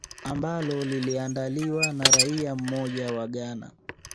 ambalo liliandaliwa na raia mmoja wa ghana